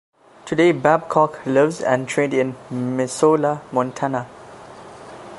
Today Babcock lives and trained in Missoula, Montana.